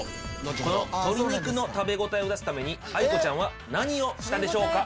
この鶏肉の食べ応えを出すためにあいこちゃんは何をしたでしょうか？